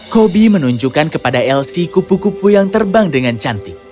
hobi menunjukkan kepada elsie kupu kupu yang terbang dengan cantik